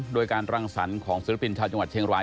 โดยการรังสรรค์ของศิลปินชาวจังหวัดเชียงราย